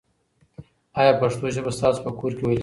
آیا پښتو ژبه ستاسو په کور کې ویل کېږي؟